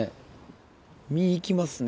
身行きますね。